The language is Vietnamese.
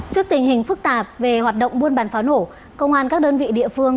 trước tình hình phức tạp về hoạt động buôn bán pháo nổ công an các đơn vị địa phương